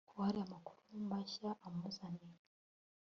ko hari amakuru mashya amuzaniye